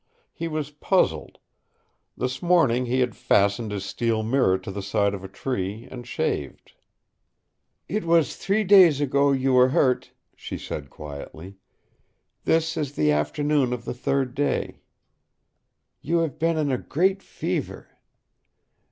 He was puzzled. This morning he had fastened his steel mirror to the side of a tree and shaved. "It was three days ago you were hurt," she said quietly. "This is the afternoon of the third day. You have been in a great fever.